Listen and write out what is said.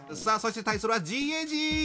さあそして対するはＧＡＧ！